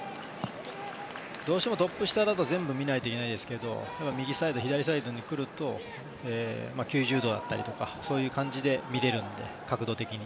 どうしても、トップ下だと全部見ないといけないですけど右サイド、左サイドに来ると９０度だったりとかそういう感じで見れるので角度的に。